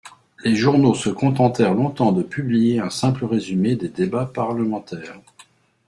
Les journaux se contentèrent longtemps de publier un simple résumé des débats parlementaires.